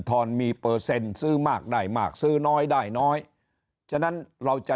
ออนมีเปอร์เซ็นต์ซื้อมากได้มากซื้อน้อยได้น้อยฉะนั้นเราจะ